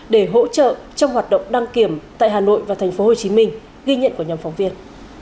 để hỗ trợ trong hoạt động đăng kiểm tại hà nội và tp hcm ghi nhận của nhóm phóng viên